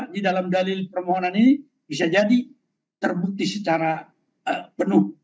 di dalam dalil permohonan ini bisa jadi terbukti secara penuh